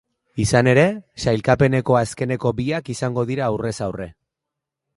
Izan ere, sailkapeneko azkeneko biak izango dira aurrez aurre.